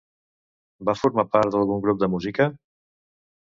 Va formar part d'algun grup de música?